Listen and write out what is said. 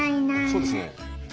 そうですね。